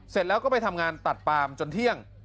เสร็จแล้วก็ไปทำงานตัดปามจนเที่ยง